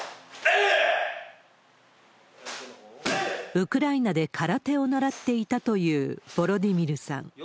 ウクライナで空手を習っていたというヴォロディミルさん。